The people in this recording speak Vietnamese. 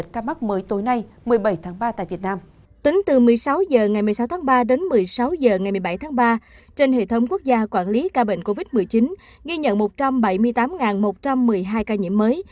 trên hệ thống quốc gia quản lý ca bệnh covid một mươi chín ghi nhận một trăm bảy mươi tám một trăm một mươi hai ca nhiễm mới